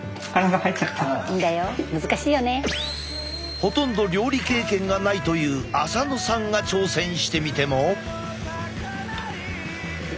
ほとんど料理経験がないという浅野さんが挑戦してみても。